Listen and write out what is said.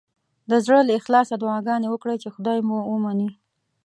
د زړه له اخلاصه دعاګانې وکړئ چې خدای مو ومني.